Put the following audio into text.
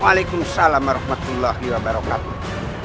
waalaikumsalam warahmatullahi wabarakatuh